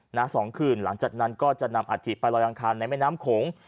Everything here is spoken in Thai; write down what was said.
หน้าสองคืนหลังจากนั้นก็จะนำอาทิตไปลอยอังคารในแม่น้ำโขง